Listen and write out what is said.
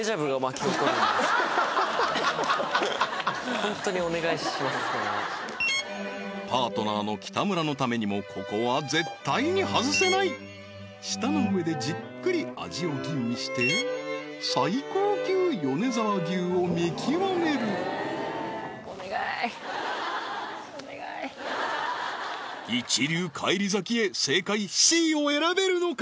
本当にパートナーの北村のためにもここは絶対に外せない舌の上でじっくり味を吟味して最高級米沢牛を見極める一流返り咲きへ正解Ｃを選べるのか？